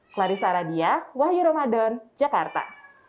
clarissa aradia wahyu ramadan jakarta